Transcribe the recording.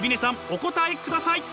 お答えください。